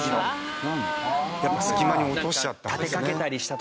やっぱ隙間に落としちゃったんですね。